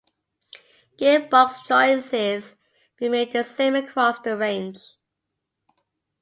Gearbox choices remained the same across the range.